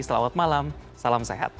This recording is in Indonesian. selamat malam salam sehat